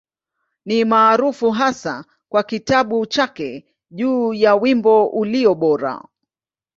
Ni maarufu hasa kwa kitabu chake juu ya Wimbo Ulio Bora.